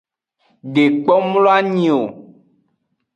De kpo mloanyi o.